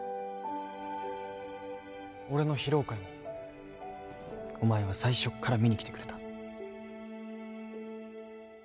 俺の披露会もお前は最初から見に来てくれた。